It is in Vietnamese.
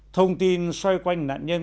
thông tin xoay quanh nạn nhân